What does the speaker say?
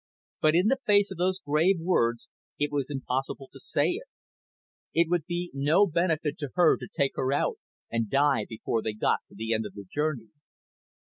But in the face of those grave words it was impossible to say it. It would be no benefit to her to take her out, and die before they got to the end of the journey.